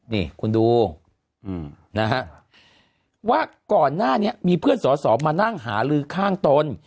นี่คุณดูนะฮะว่าก่อนหน้านี้มีเพื่อนสอสอมานั่งหาลือข้างตน